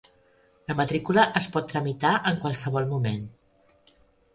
La matrícula es pot tramitar en qualsevol moment.